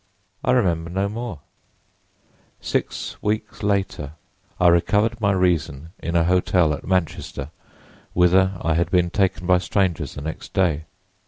"I remember no more: six weeks later I recovered my reason in a hotel at Manchester, whither I had been taken by strangers the next day.